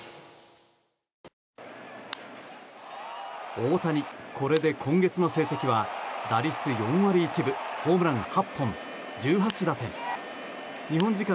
大谷、これで今月の成績は打率４割１分ホームラン８本１８打点。